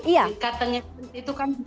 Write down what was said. maaf bu katanya itu kan di sini jarang dipakai